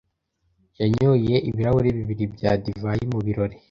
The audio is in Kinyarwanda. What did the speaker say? Yanyoye ibirahuri bibiri bya divayi mu birori.